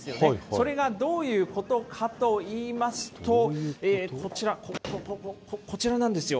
それがどういうことかといいますと、こちら、こちらなんですよ。